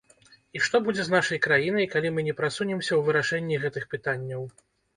І што будзе з нашай краінай, калі мы не прасунемся ў вырашэнні гэтых пытанняў?